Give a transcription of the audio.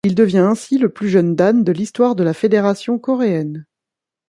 Il devient ainsi le plus jeune dan de l'histoire de la fédération coréenne.